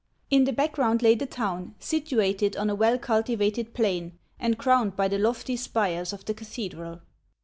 lu the background lay the town, situated on a well cultivated plain, and crowned by the lofty spires of the cathedral.